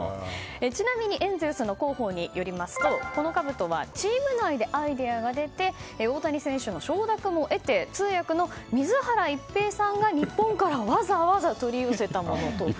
ちなみにエンゼルスの広報によりますとこのかぶとはチーム内でアイデアが出て大谷選手の承諾も得て通訳の水原一平さんが日本からわざわざ取り寄せたものということ。